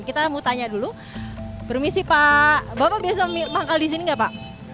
kita mau tanya dulu permisi pak bapak biasa manggal di sini nggak pak